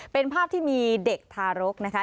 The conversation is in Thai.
เป็นภาพที่มีเด็กทารกนะคะ